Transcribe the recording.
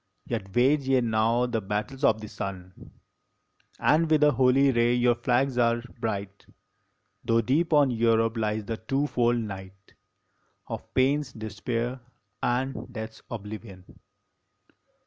Yet wage ye now the battles of the sun And with a holy ray your flags are bright, Tho deep on Europe lies the two fold night Of pain s despair and death s oblivion.